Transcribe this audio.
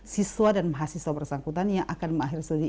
siswa dan mahasiswa bersangkutan yang akan mengakhiri studi